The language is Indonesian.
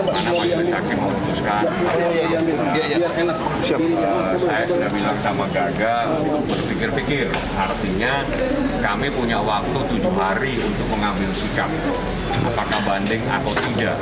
pikir pikir artinya kami punya waktu tujuh hari untuk mengambil sikap apakah banding atau tidak